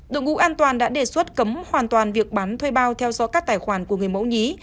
đội ngũ an toàn đã đề xuất cấm hoàn toàn việc bán thuê bao theo dõi các tài khoản của người mẫu nhí